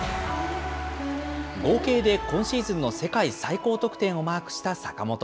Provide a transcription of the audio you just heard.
合計で今シーズンの世界最高得点をマークした坂本。